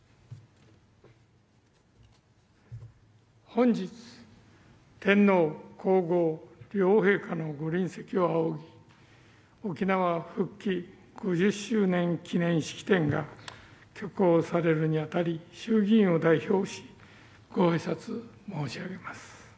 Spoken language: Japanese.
本日、天皇皇后両陛下の御臨席を仰ぎ「沖縄復帰５０周年記念式典」が挙行されるにあたり衆議院を代表し御挨拶申し上げます。